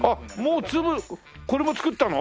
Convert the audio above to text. もう粒これも作ったの？